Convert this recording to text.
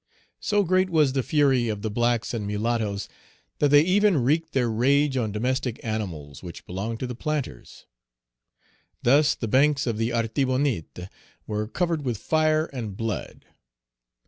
So great was the fury of the blacks and mulattoes that they even wreaked their rage on domestic animals which belonged to the planters. Thus the banks of the Artibonite were covered with fire and blood.